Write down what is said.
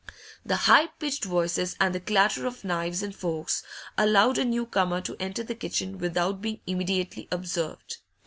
The high pitched voices and the clatter of knives and forks allowed a new comer to enter the kitchen without being immediately observed.